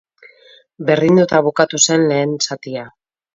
Berdinduta bukatu zen lehen zatia.